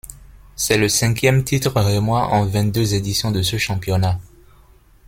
C'est le cinquième titre rémois en vingt-deux éditions de ce championnat.